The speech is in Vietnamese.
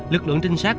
lực lượng trinh sát